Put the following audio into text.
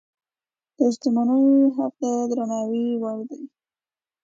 د شتمنۍ حق د درناوي وړ دی.